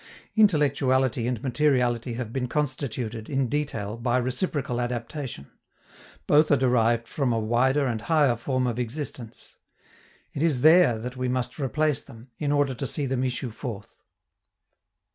Intellectuality and materiality have been constituted, in detail, by reciprocal adaptation. Both are derived from a wider and higher form of existence. It is there that we must replace them, in order to see them issue forth.